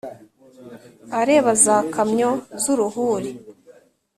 Areba za kamyo z'uruhuri